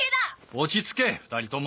落ち着け２人とも！